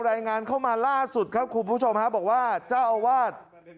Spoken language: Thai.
รายงานเข้ามาล่าสุดครับคุณผู้ชมฮะบอกว่าเจ้าอาวาส